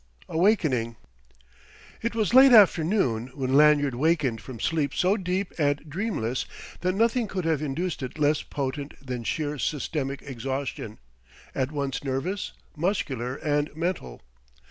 XII AWAKENING It was late afternoon when Lanyard wakened from sleep so deep and dreamless that nothing could have induced it less potent than sheer systemic exhaustion, at once nervous, muscular and mental.